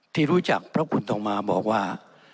ที่รู้จักพระพุทธงมาบอกว่า